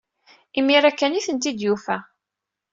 Imir-a kan ay tent-id-yufa.